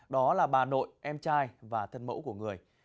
đó là bà nội em trai và thân mẫu của người